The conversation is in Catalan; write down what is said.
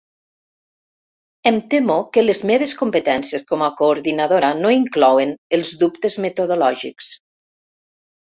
Em temo que les meves competències com a coordinadora no inclouen els dubtes metodològics.